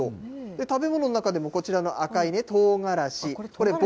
食べ物の中でもこちらの赤いね、とうがらし。